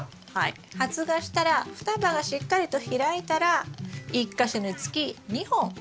発芽したら双葉がしっかりと開いたら１か所につき２本残して下さい。